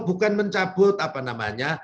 bukan mencabut apa namanya